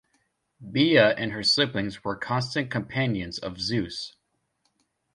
Bia and her siblings were constant companions of Zeus.